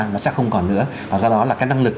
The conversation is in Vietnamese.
nó sẽ không còn nữa và do đó là cái năng lực